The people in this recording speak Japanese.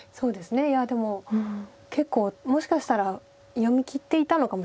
いやでも結構もしかしたら読みきっていたのかもしれないです